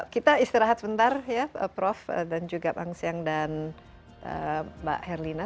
kita istirahat sebentar ya prof dan juga bang siang dan mbak herlina